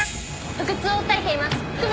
腹痛を訴えています。